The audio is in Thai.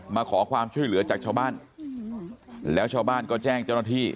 มาขอความช่วยเหลือจากชาวบ้านแล้วชาวบ้านก็แจ้งเจ้าหน้าที่